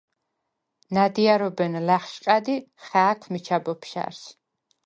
ნა̈დიარობენ ლა̈ხშყა̈დ ი ხა̄̈ქვ მიჩა ბოფშა̈რს: